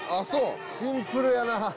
シンプルやな。